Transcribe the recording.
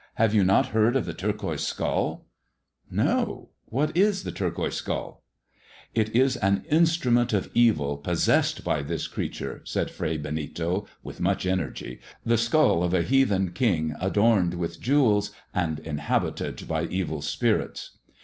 Have you not heard of the turqvnjiBe Bkuur' " Xo : what is the turquoise skull )"" It is an instrument of evil possessed by this creature," said Fray Benito, with much energy —" the skull of i heathen king adorned with jewels, and inhabited by ef| spirits.